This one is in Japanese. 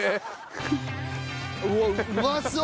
うわっうまそう！